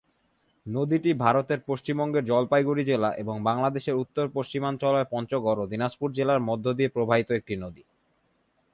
নদীটি ভারতের পশ্চিমবঙ্গের জলপাইগুড়ি জেলা এবং বাংলাদেশের উত্তর-পশ্চিমাঞ্চলের পঞ্চগড় ও দিনাজপুর জেলার মধ্য দিয়ে প্রবাহিত একটি নদী।